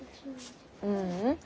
ううん。